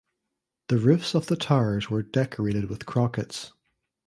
The roofs of the towers were decorated with crockets.